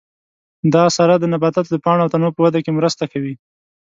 دا سره د نباتاتو د پاڼو او تنو په وده کې کومک کوي.